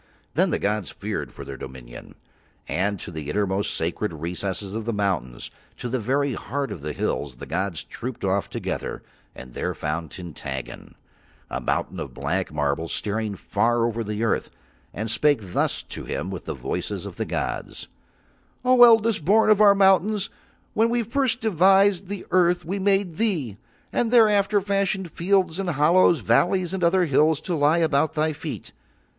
Then the gods feared for Their dominion, and to the innermost sacred recesses of the mountains, to the very heart of the hills, the gods trooped off together and there found Tintaggon, a mountain of black marble, staring far over the earth, and spake thus to him with the voices of the gods: "O eldest born of our mountains, when first we devised the earth we made thee, and thereafter fashioned fields and hollows, valleys and other hills, to lie about thy feet.